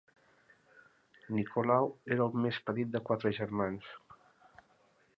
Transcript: Nicolau era el més petit de quatre germans.